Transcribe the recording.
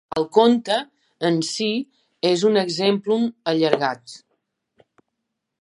El conte en si és un exemplum allargat.